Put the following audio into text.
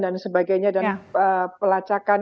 sebagainya dan pelacakan